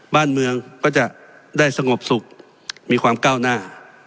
บ้านเมืองก็จะได้สงบสุขมีความก้าวหน้า